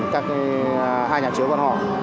các hai nhà chứa quan họ